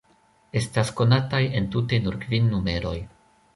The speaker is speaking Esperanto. Estas konataj entute nur kvin numeroj.